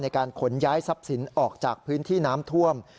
ในการขนย้ายทรัพย์สินออกจากพื้นที่น้ำท่วม